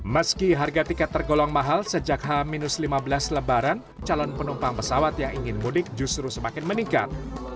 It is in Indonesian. meski harga tiket tergolong mahal sejak h lima belas lebaran calon penumpang pesawat yang ingin mudik justru semakin meningkat